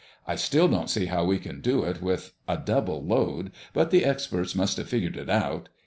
I still don't see how we can do it with a double load, but the experts must have figured it out.